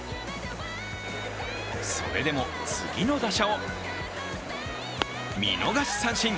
それでも次の打者を見逃し三振。